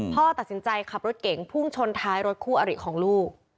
พ่อตัดสินใจขับรถเก่งพุ่งชนท้ายรถคู่อริของลูก